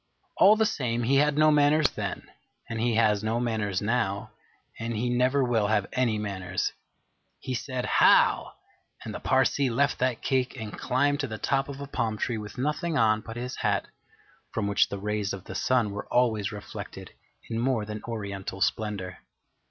All the same, he had no manners then, and he has no manners now, and he never will have any manners. He said, 'How!' and the Parsee left that cake and climbed to the top of a palm tree with nothing on but his hat, from which the rays of the sun were always reflected in more than oriental splendour.